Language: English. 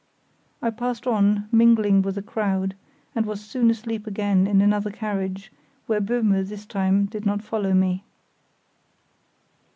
I passed on, mingling with the crowd, and was soon asleep again in another carriage where Böhme this time did not follow me.